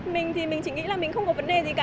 bình tĩnh em ơi bình tĩnh em ơi